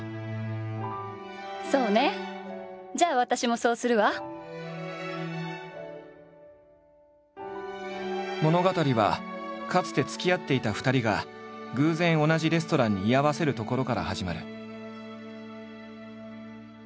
亀梨の一番のお気に入り物語はかつてつきあっていた２人が偶然同じレストランに居合わせるところから始まる。